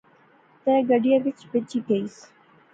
تہ گڈیا وچ بہجی گئیس